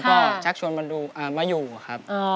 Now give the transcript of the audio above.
ก็ชักชวนมาอยู่ครับ